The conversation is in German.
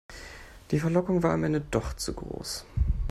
Die Verlockung war am Ende doch zu groß.